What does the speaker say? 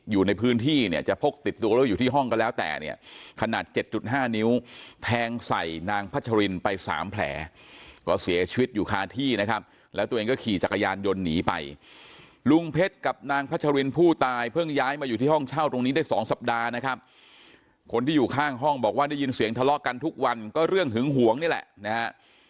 อยู่ในพื้นที่เนี่ยจะพกติดตัวแล้วอยู่ที่ห้องก็แล้วแต่เนี่ยขนาด๗๕นิ้วแทงใส่นางพัชรินไปสามแผลก็เสียชีวิตอยู่คาที่นะครับแล้วตัวเองก็ขี่จักรยานยนต์หนีไปลุงเพชรกับนางพัชรินผู้ตายเพิ่งย้ายมาอยู่ที่ห้องเช่าตรงนี้ได้สองสัปดาห์นะครับคนที่อยู่ข้างห้องบอกว่าได้ยินเสียงทะเลาะกันทุกวันก็เรื่องหึงหวงนี่แหละนะฮะ